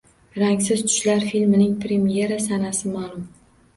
Rangsiz tushlar filmining premera sanasi ma’lum